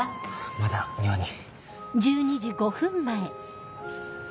まだ庭に。